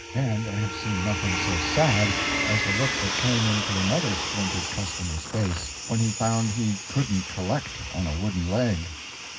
And I have seen nothing so sad as the look that came into another splintered customer's face when he found he couldn't collect on a wooden leg.